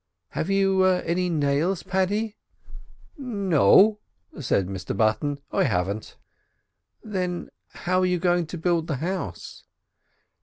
"Have you any nails, Paddy?" "No," said Mr Button, "I haven't." "Then how're you goin' to build the house?"